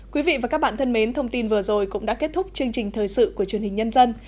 quý vị và các bạn thân mến thông tin vừa rồi cũng đã kết thúc chương trình thời sự của truyền hình nhân dân